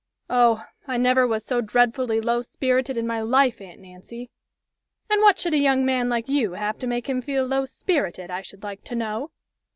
"Oh! I never was so dreadfully low spirited in my life, Aunt Nancy." "And what should a young man like you have to make him feel low spirited, I should like to know?